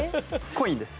コインです。